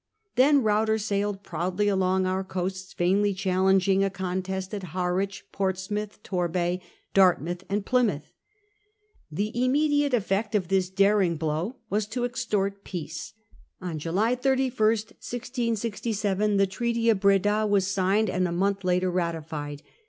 Then Ruyter sailed proudly along our coasts, vainly challenging a contest at Harwich, Portsmouth, Torbay, Dartmouth, and Plymouth. The immediate effect of this daring blow was to extort peace. On July 31, 1667, the Treaty of Breda was signed, and a month later ratified.